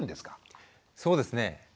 そうですね。